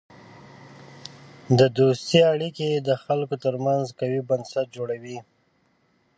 د دوستی اړیکې د خلکو ترمنځ قوی بنسټ جوړوي.